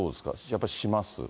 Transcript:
やっぱりします？